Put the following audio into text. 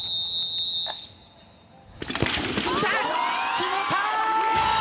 決めた！